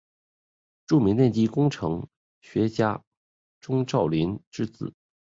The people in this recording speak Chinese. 著名电机工程学家钟兆琳之子。